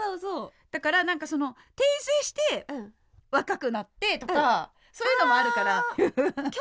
だから何か転生して若くなってとかそういうのもあるから。